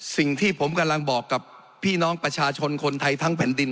สิ่งที่ผมกำลังบอกกับพี่น้องประชาชนคนไทยทั้งแผ่นดิน